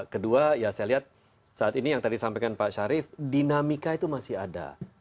kedua ya saya lihat saat ini yang tadi sampaikan pak syarif dinamika itu masih ada